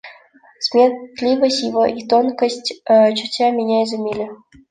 Сметливость его и тонкость чутья меня изумили.